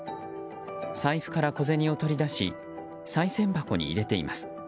財布から小銭を取り出しさい銭箱に入れています。